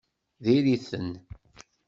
Diri-ten!